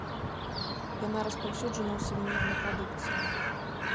Яна распаўсюджана ў сувенірнай прадукцыі.